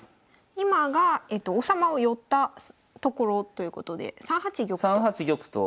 今が王様を寄ったところということで３八玉と。